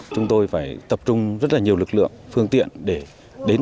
chúng tôi phải tập trung rất là nhiều lực lượng phương tiện để đến